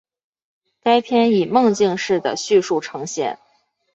该片以梦境式的叙述呈现。